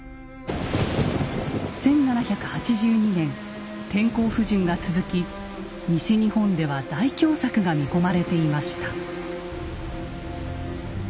１７８２年天候不順が続き西日本では大凶作が見込まれていました。